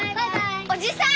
おじさん！